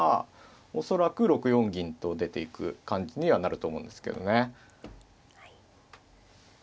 恐らく６四銀と出ていく感じにはなると思うんですけどね。